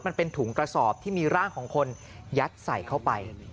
มันเป็นถุงกระสอบที่มีร่างของคนยัดใส่เข้าไป